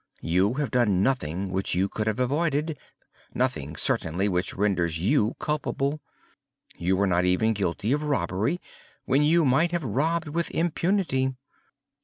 You have done nothing which you could have avoided—nothing, certainly, which renders you culpable. You were not even guilty of robbery, when you might have robbed with impunity.